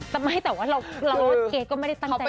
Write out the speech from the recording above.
แต่ว่าเกรสก็ไม่ได้ตั้งใจหรอก